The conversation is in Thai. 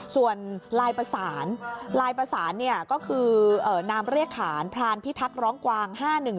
ส่วนลายประสานลายประสานก็คือนามเรียกขานพรานพิทักษ์ร้องกวาง๕๑๒